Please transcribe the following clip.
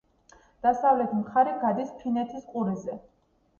დასავლეთი მხარე გადის ფინეთის ყურეზე.